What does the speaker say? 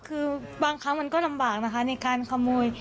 คือบางครั้งมันก็ลำบากนะคะในการขโมย